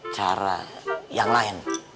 cara yang lain